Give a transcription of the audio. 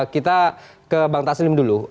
kita ke bang taslim dulu